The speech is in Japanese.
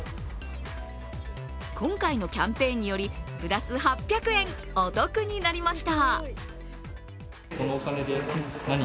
今回のキャンペーンによりプラス８００円お得になりました。